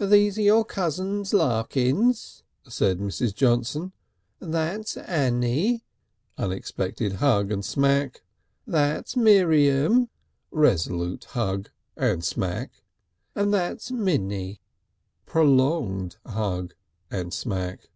"These are your cousins Larkins," said Mrs. Johnson; "that's Annie (unexpected hug and smack), that's Miriam (resolute hug and smack), and that's Minnie (prolonged hug and smack)."